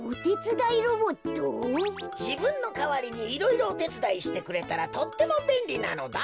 じぶんのかわりにいろいろおてつだいしてくれたらとってもべんりなのだ。